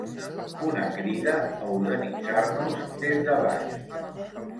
Una crida a organitzar-nos des de baix.